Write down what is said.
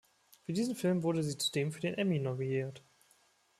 Für diesen Film wurde sie zudem für den Emmy nominiert.